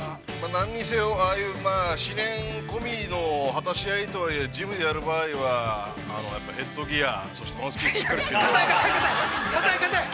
◆何にせよ、ああいう私怨込みの果たし合いとはいえジムでやる場合は、ヘッドギアそしてマウスピースしっかりつけてください。